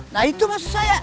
nah itu maksud saya